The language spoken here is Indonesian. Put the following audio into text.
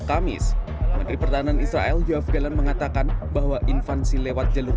kamis dari pertahanan israel jualan mengatakan bahwa infansi lewat jalur